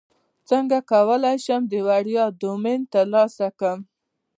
څنګه کولی شم د وړیا ډومین ترلاسه کړم